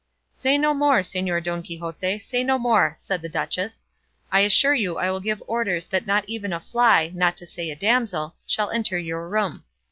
"Say no more, Señor Don Quixote, say no more," said the duchess; "I assure you I will give orders that not even a fly, not to say a damsel, shall enter your room.